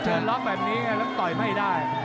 ล็อกแบบนี้แล้วต่อยไม่ได้